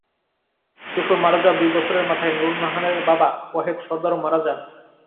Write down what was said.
শ্বশুর মারা যাওয়ার দুই বছরের মাথায় নূরুন্নাহারের বাবা ওয়াহেদ সরদারও মারা যান।